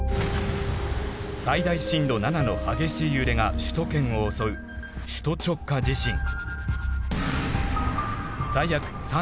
最大震度７の激しい揺れが首都圏を襲う最悪